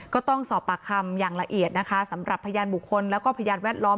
ก็ต้องสอบปากคำอย่างละเอียดนะคะสำหรับพยานบุคคลแล้วก็พยานแวดล้อม